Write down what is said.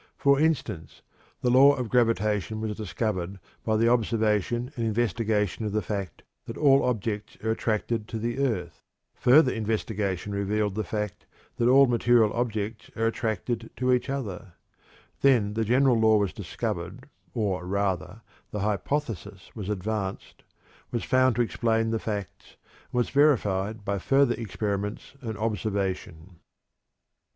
For instance, the Law of Gravitation was discovered by the observation and investigation of the fact that all objects are attracted to the earth; further investigation revealed the fact that all material objects are attracted to each other; then the general law was discovered, or, rather, the hypothesis was advanced, was found to explain the facts, and was verified by further experiments and observation.